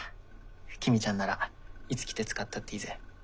公ちゃんならいつ来て使ったっていいぜ。